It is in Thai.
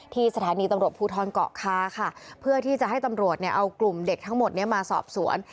ที่สถานีตำรวจภูทรเกาะคาค่ะเพื่อที่จะให้ตำรวจเนี่ยเอากลุ่มเด็กทั้งหมดนี้มาสอบสวน